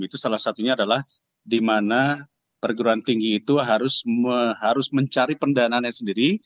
itu salah satunya adalah di mana perguruan tinggi itu harus mencari pendanaannya sendiri